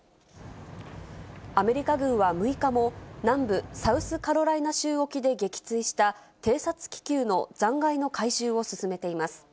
アメリカ軍は６日も、南部サウスカロライナ州沖で撃墜した偵察気球の残骸の回収を進めています。